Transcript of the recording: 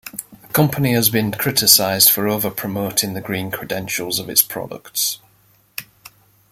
The company has been criticized for over-promoting the green credentials of its products.